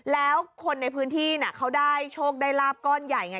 แล้วคนในพื้นที่เขาได้โชคได้ลาบก้อนใหญ่ไง